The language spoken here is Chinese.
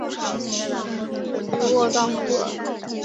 布吕尼沃当库尔。